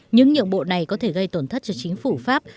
những nhiệm vụ này có thể gây tổn thất cho chính phủ pháp